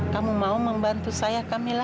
kamu mau membantu saya